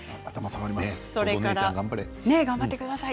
頑張ってください。